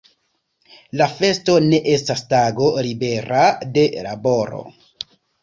La festo ne estas tago libera de laboro.